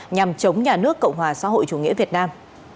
nhằm chống nhà nước cộng hòa xã hội chủ nghĩa việt nam